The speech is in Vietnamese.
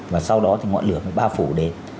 và sau đó thì ngọn lửa mới bao phủ lên